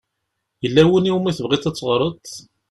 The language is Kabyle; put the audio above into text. Yella win i wumi tebɣiḍ ad teɣṛeḍ?